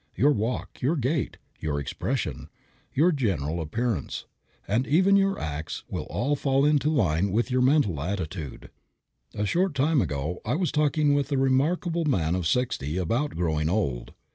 Your walk, your gait, your expression, your general appearance, and even your acts will all fall into line with your mental attitude. A short time ago I was talking with a remarkable man of sixty about growing old.